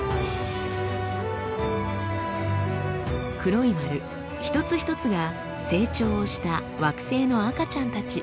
黒い丸一つ一つが成長をした惑星の赤ちゃんたち。